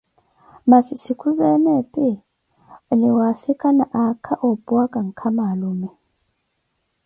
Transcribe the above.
Massi sikuzeene epi, aniwaasikana aakha ompuwaka nkama alume.